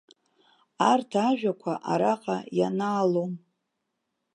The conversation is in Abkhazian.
Арҭ ажәақәа араҟа ианаалом.